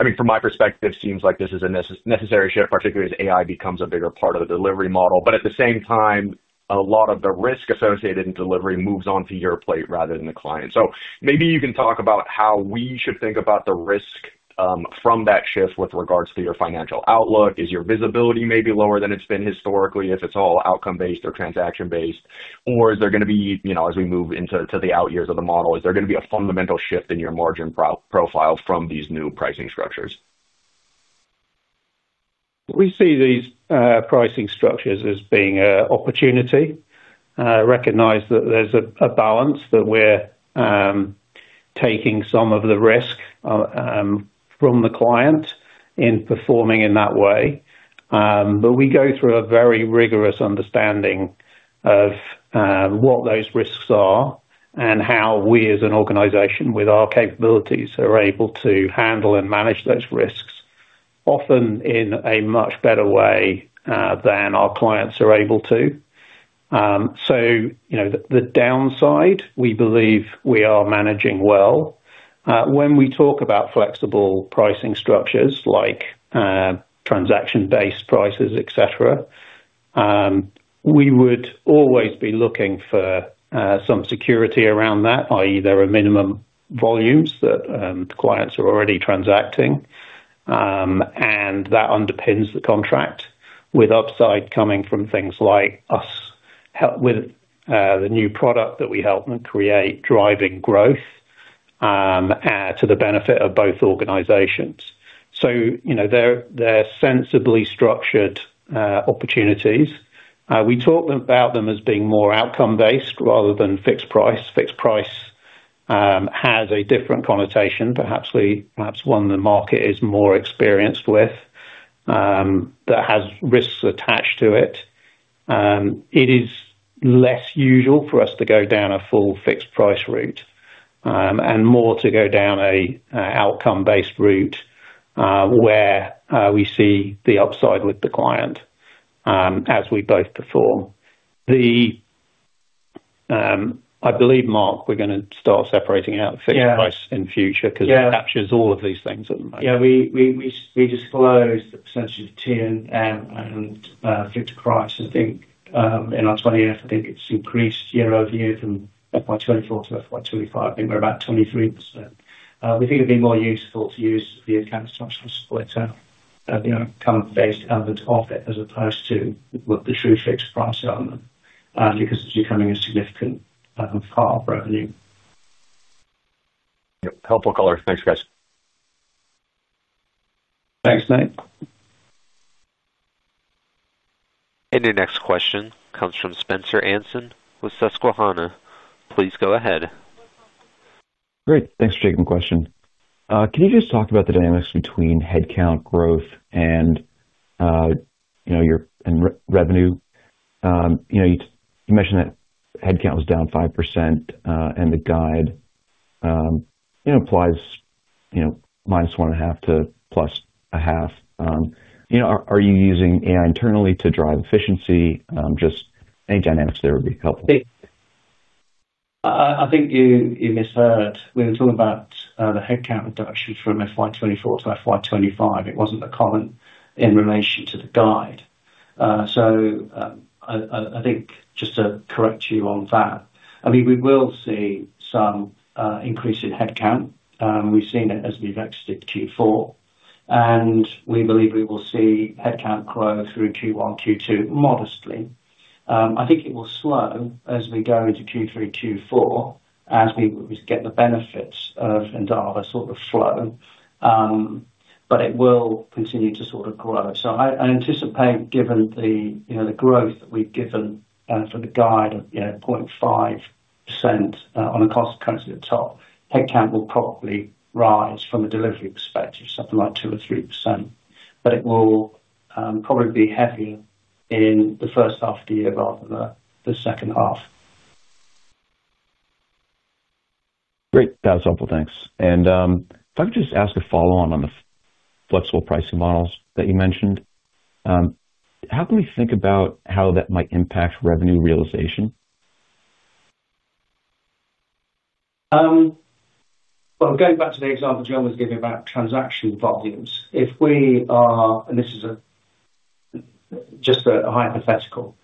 I mean, from my perspective, it seems like this is a necessary shift, particularly as AI becomes a bigger part of the delivery model. But at the same time, a lot of the risk associated in delivery moves on to your plate rather than the client. So maybe you can talk about how we should think about the risk from that shift with regards to your financial outlook. Is your visibility maybe lower than it's been historically if it's all outcome based or transaction based? Or is there going to be as we move into the out years of the model, is there going to be a fundamental shift in your margin profile from these new pricing structures? We see these pricing structures as being an opportunity. Recognize that there's a balance that we're taking some of the risk from the client in performing in that way. But we go through a very rigorous understanding of what those risks are and how we as an organization with our capabilities are able to handle and manage those risks often in a much better way than our clients are able to. So the downside, we believe we are managing well. When we talk about flexible pricing structures like transaction based prices, etcetera, We would always be looking for some security around that, I. E, there are minimum volumes that clients are already transacting. And that underpins the contract with upside coming from things like us help with the new product that we help them create driving growth to the benefit of both organizations. So they're sensibly structured opportunities. We talk about them as being more outcome based rather than fixed price. Fixed price has a different connotation, perhaps one the market is more experienced with that has risks attached to it. It is less usual for us to go down a full fixed price route and more to go down an outcome based route where we see the upside with the client as we both perform. The I believe, Mark, we're going to start separating out fixed price in future because it captures all of these things. Yes. We disclosed the percentage of T and M fixed price. I think in our '20 F, I think it's increased year over year from FY '24 to FY '25. I we're about 23%. We think it'd be more useful to use the accounts structure splitter, kind of based out of it as opposed to what the true fixed price on them because it's becoming a significant part of revenue. Yes. Helpful color. Thanks, guys. Thanks, Knight. And your next question comes from Spencer Anson with Susquehanna. Please go ahead. Great. Thanks for taking the question. Can you just talk about the dynamics between headcount growth and revenue? You mentioned that headcount was down 5% and the guide implies minus 1.5% to plus 05%. Are you using AI internally to drive efficiency? Just any dynamics there would be helpful. I think you misheard. We were talking about the headcount reduction from FY 'twenty four to FY 'twenty five. It wasn't a comment in relation to the guide. So I think just to correct you on that. I mean, we will see some increase in headcount. We've seen it as we've exited Q4. And we believe we will see headcount grow through Q1, Q2 modestly. I think it will slow as we go into Q3, Q4 as we get the benefits of Endava sort of flow. But it will continue to sort of grow. So I anticipate given the growth that we've given for the guide of 0.5% on a cost currency at top, headcount will probably rise from a delivery perspective, something like 2% or 3%. But it will probably be heavy in the first half of the year rather than the second half. Great. That's helpful. And if I could just ask a follow on on the flexible pricing models that you mentioned. How can we think about how that might impact revenue realization? Well, going back to the example John was giving about transaction volumes. If we are and this is just a hypothetical.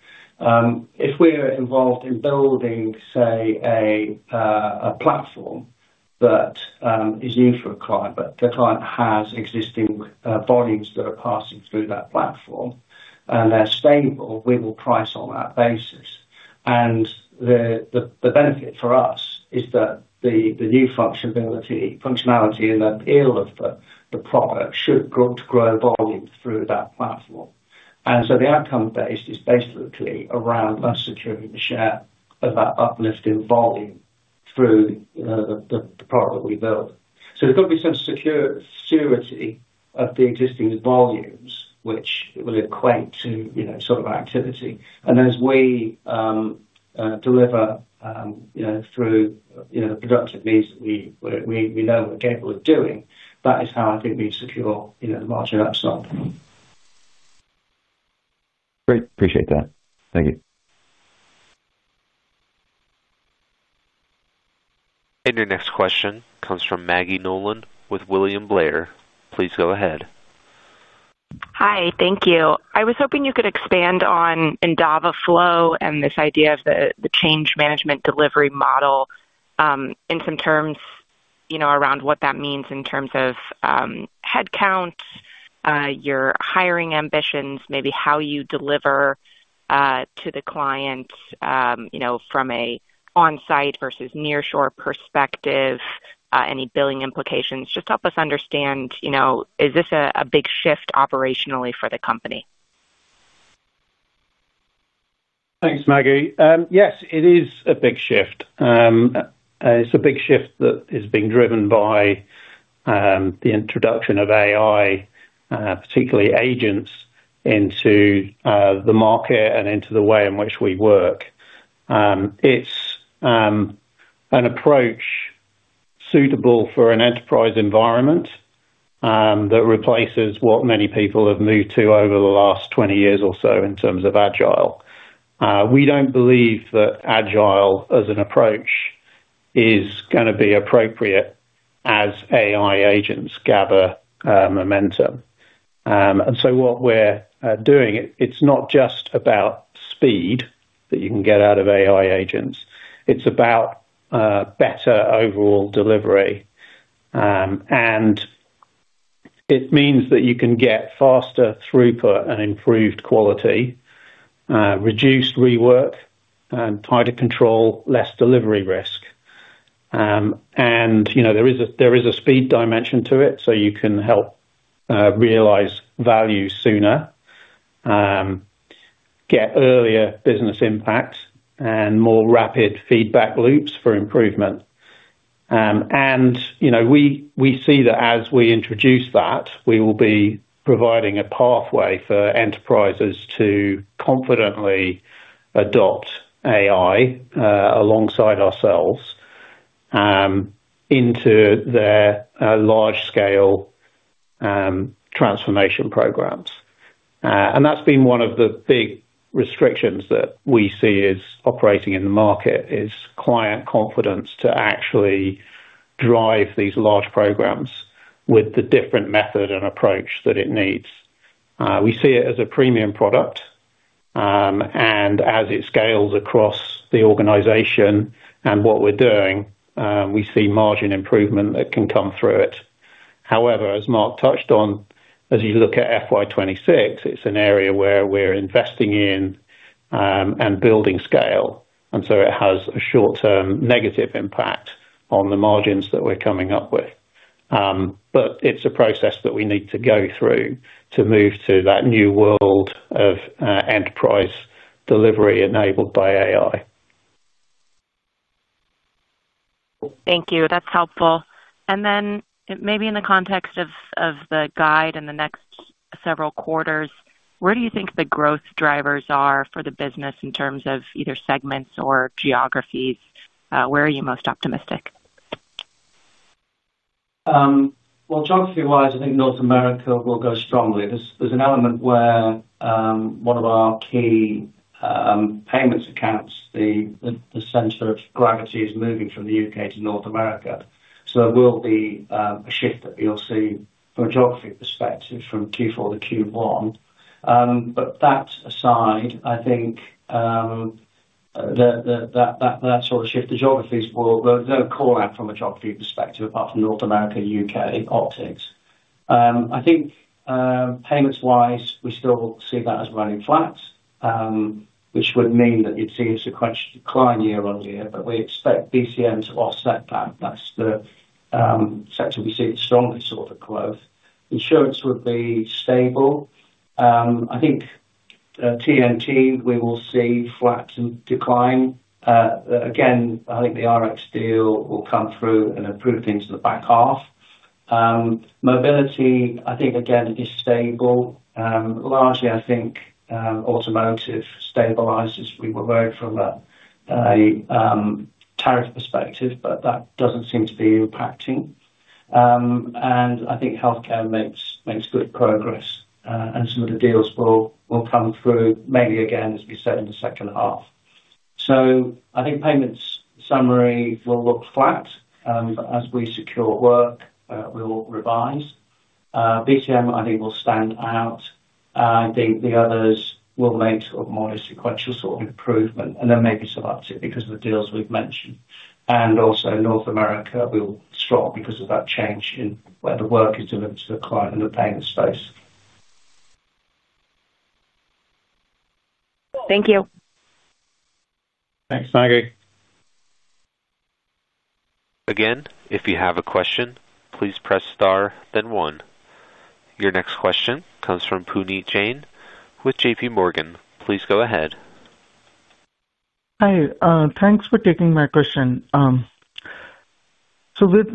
If we are involved in building, say, a platform that is new for a client, but the client has existing volumes that are passing through that platform and they're stable, we will price on that basis. And the benefit for us is that the new functionality and appeal of the product should grow to grow volume through that platform. And so the outcome based is basically around us securing the share of that uplift in volume through the product that we build. So there's going to be some security of the existing volumes, which will equate to sort of activity. And as we deliver through productive means that we know we're capable of doing, that is how I think we secure the margin upside. Great. Appreciate that. Thank you. And your next question comes from Maggie Nolan with William Blair. Please go ahead. Hi, thank you. I was hoping you could expand on Endava Flow and this idea of the change management delivery model, in some terms around what that means in terms of headcount, your hiring ambitions, maybe how you deliver to the clients from an on-site versus nearshore perspective, any billing implications? Just help us understand, is this a big shift operationally for the company? Thanks, Maggie. Yes, it is a big shift. It's a big shift that is being driven by the introduction of AI, particularly agents into the market and into the way in which we work. It's an approach suitable for an enterprise environment that replaces what many people have moved to over the last twenty years or so in terms of Agile. We don't believe that Agile as an approach is going to be appropriate as AI agents gather momentum. And so what we're doing, it's not just about speed that you can get out of AI agents. It's about better overall delivery. And it means that you can get faster throughput and improved quality, reduced rework and tighter control, less delivery risk. And there is a speed dimension to it, so you can help realize value sooner, get earlier business impact and more rapid feedback loops for improvement. And we see that as we introduce that, we will be providing a pathway for enterprises to confidently adopt AI alongside ourselves into their large scale transformation programs. And that's been one of the big restrictions that we see as operating in the market is client confidence to actually drive these large programs with the different method and approach that it needs. We see it as a premium product. And as it scales across the organization and what we're doing, we see margin improvement that can come through it. However, as Mark touched on, as you look at FY 2026, it's an area where we're investing in and building scale. And so it has a short term negative impact on the margins that we're coming up with. But it's a process that we need to go through to move to that new world of enterprise delivery enabled by AI. Thank you. That's helpful. And then maybe in the context of the guide in the next several quarters, where do you think the growth drivers are for the business in terms of either segments or geographies? Where are you most optimistic? Well, geography wise, I think North America will go strongly. There's an element where one of our key payments accounts, the center of gravity is moving from The U. K. To North America. So there will be a shift that you'll see from a geography perspective from Q4 to Q1. But that aside, I think that sort of shift to geographies will call out from a geography perspective apart from North America, UK and optics. I think payments wise, we still see that as running flat, which would mean that you'd see a sequential decline year on year, but we expect BCM to offset that. That's the sector we see stronger sort of growth. Insurance would be stable. I think TNT, we will see flat to decline. Again, I think the RX deal will come through and improve things in the back half. Mobility, I think, again, it is stable. Largely, I think automotive stabilizes, we were worried from a tariff perspective, but that doesn't seem to be impacting. And I think health care makes good progress. And some of the deals will come through, maybe again, as we said, in the second half. So I think payments summary will look flat. And as we secure work, we will revise. BTM, I think, will stand out. I think the others will make sort of modest sequential sort of improvement and then maybe some uptick because of the deals we've mentioned. And also North America, will stop because of that change in where the work is delivered to the client in the payment space. Thank you. Thanks, Your next question comes from Puneet Jain with JPMorgan. Please go ahead. Hi. Thanks for taking my question. So with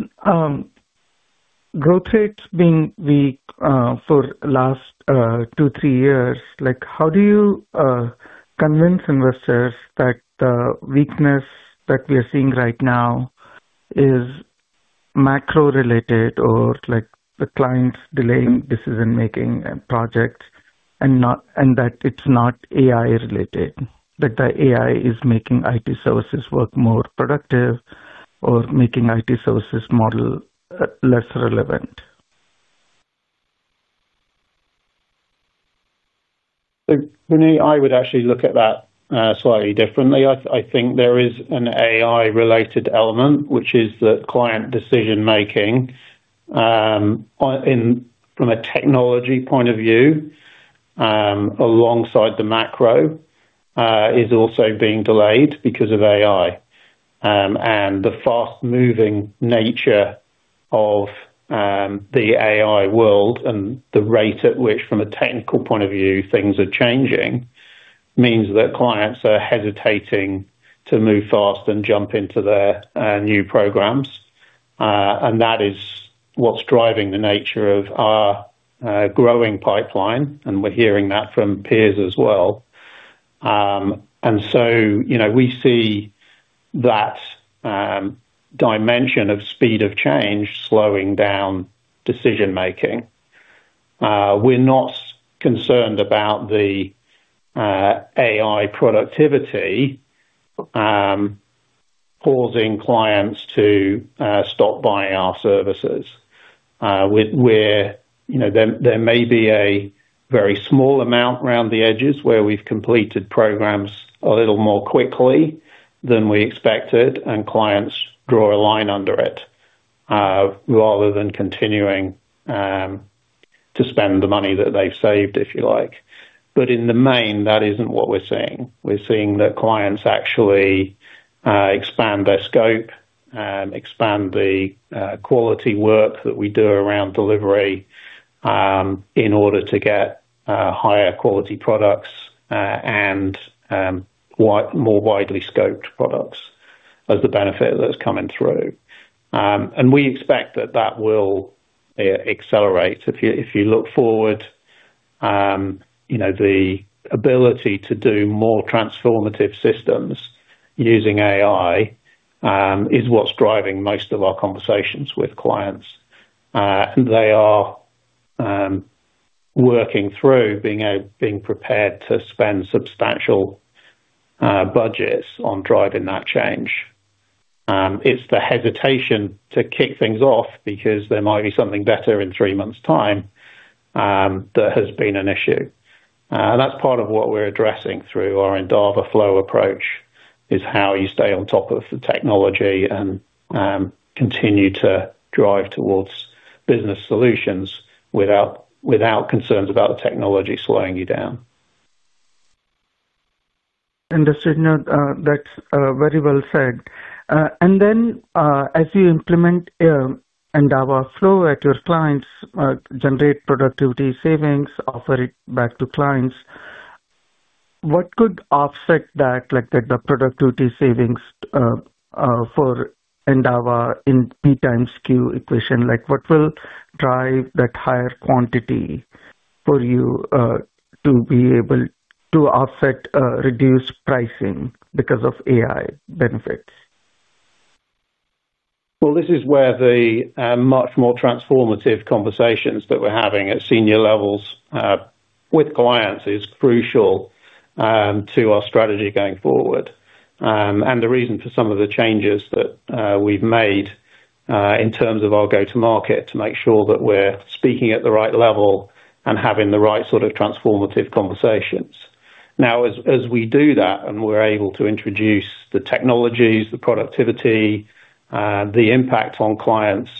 growth rates being weak for last two, three years, like how do you convince investors that weakness that we are seeing right now is macro related or like the clients delaying decision making project and that it's not AI related, that the AI is making IT services work more productive or making IT services model less relevant? Puneet, I would actually look at that slightly differently. I think there is an AI related element, which is the client decision making. From a technology point of view, alongside the macro, is also being delayed because of AI. And the fast moving nature of the AI world and the rate at which from a technical point of view, things are changing means that clients are hesitating to move fast and jump into their new programs. And that is what's driving the nature of our growing pipeline, and we're hearing that from peers as well. And so we see that dimension of speed of change slowing down decision making. We're not concerned about the AI productivity pausing clients to stop buying our services. There may be a very small amount around the edges where we've completed programs a little more quickly than we expected and clients draw a line under it rather than continuing to spend the money that they've saved, if you like. But in the main, that isn't what we're seeing. We're seeing that clients actually expand their scope, expand the quality work that we do around delivery in order to get higher quality products and more widely scoped products as the benefit of those coming through. And we expect that, that will accelerate. If you look forward, the ability to do more transformative systems using AI is what's driving most of our conversations with clients. And they are working through being prepared to spend substantial budgets on driving that change. It's the hesitation to kick things off because there might be something better in three months' time that has been an issue. And that's part of what we're addressing through our Endava flow approach is how you stay on top of the technology and continue to drive towards business solutions without concerns about technology slowing you down. Understood. That's very well said. And then as you implement Endava flow at your clients, generate productivity savings, offer it back to clients, what could offset that like the productivity savings for Endava in P times Q equation? Like what will drive that higher quantity for you to be able to offset reduced pricing because of AI benefits? Well, this is where the much more transformative conversations that we're having at senior levels with clients is crucial to our strategy going forward. And the reason for some of the changes that we've made in terms of our go to market to make sure that we're speaking at the right level and having the right sort of transformative conversations. Now as we do that and we're able to introduce the technologies, the productivity, the impact on clients,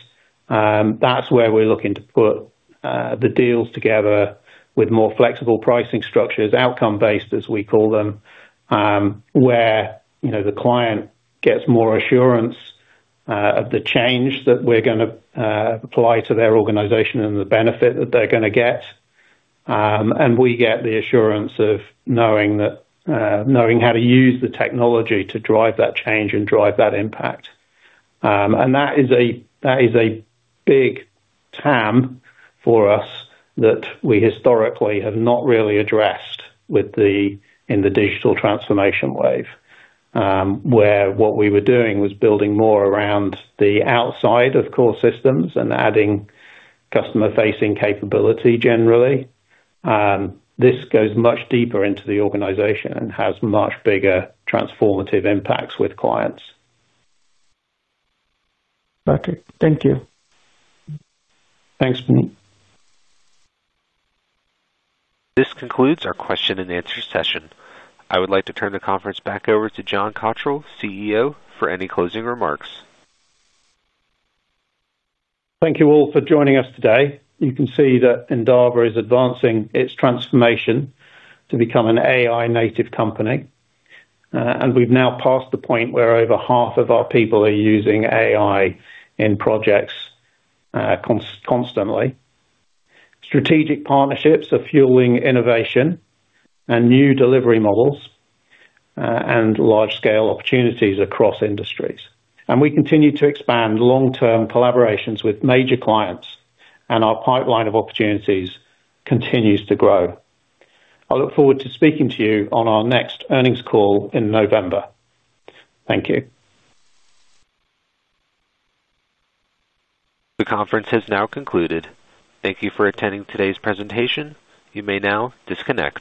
that's where we're looking to put the deals together with more flexible pricing structures, outcome based, as we call them, where the client gets more assurance of the change that we're going to apply to their organization and the benefit that they're going to get. And we get the assurance of knowing how to use the technology to drive that change and drive that impact. And that is a big TAM for us that we historically have not really addressed with the in the digital transformation wave, where what we were doing was building more around the outside of core systems and adding customer facing capability generally. This goes much deeper into the organization and has much bigger transformative impacts with clients. This concludes our question and answer session. I would like to turn the conference back over to John Cottrill, CEO, for any closing remarks. Thank you all for joining us today. You can see that Endava is advancing its transformation to become an AI native company. And we've now passed the point where over half of our people are using AI in projects constantly. Strategic partnerships are fueling innovation and new delivery models and large scale opportunities across industries. And we continue to expand long term collaborations with major clients, and our pipeline of opportunities continues to grow. I look forward to speaking to you on our next earnings call in November. Thank you. The conference has now concluded. Thank you for attending today's presentation. You may now disconnect.